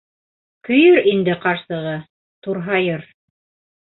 Көйөр инде ҡарсығы, турһайыр.